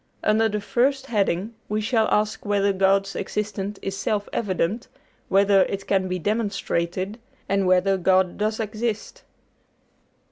Under the first heading we shall ask whether God's existence is self evident, whether it can be demonstrated, and whether God does exist."